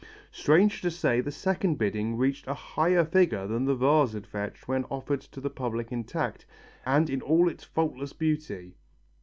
Strange to say the second bidding reached a higher figure than the vase had fetched when offered to the public intact and in all its faultless beauty.